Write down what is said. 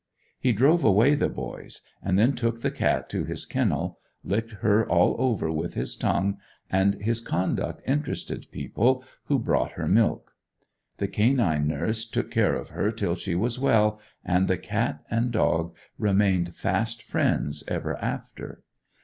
He drove away the boys, and then took the cat to his kennel, licked her all over with his tongue, and his conduct interested people, who brought her milk. The canine nurse took care of her till she was well, and the cat and dog remained fast friends ever after.